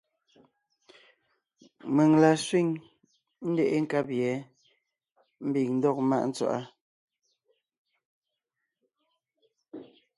Mèŋ la sẅîŋ, ńdeʼe nkab yɛ̌ ḿbiŋ ńdɔg ḿmáʼ tswaʼá.